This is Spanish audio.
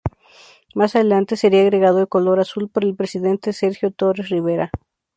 Más adelante, sería agregado el color azul por el presidente Sergio Torres Rivera.